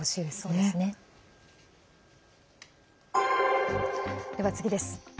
では、次です。